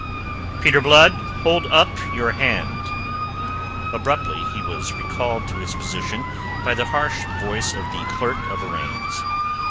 "Peter Blood, hold up your hand!" Abruptly he was recalled to his position by the harsh voice of the clerk of arraigns.